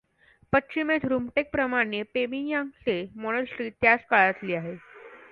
पश्चिमेस रुमटेकप्रमाणे पेमियांगत्से मोनेस्ट्री त्याच काळातली आहे.